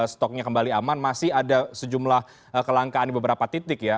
stoknya kembali aman masih ada sejumlah kelangkaan di beberapa titik ya